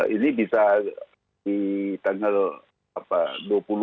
ini bisa di tanggal